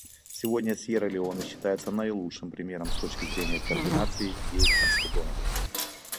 Сегодня Сьерра-Леоне считается наилучшим примером с точки зрения координации деятельности доноров.